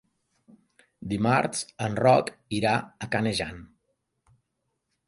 Dimarts en Roc irà a Canejan.